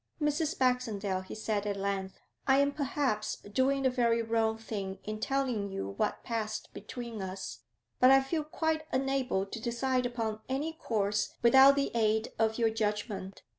'Mrs. Baxendale,' he said at length, 'I am perhaps doing a very wrong thing in telling you what passed between us, but I feel quite unable to decide upon any course without the aid of your judgment.